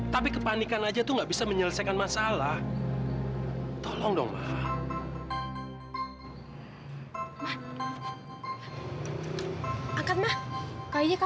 sampai jumpa di video selanjutnya